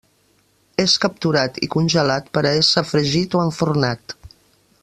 És capturat i congelat per a ésser fregit o enfornat.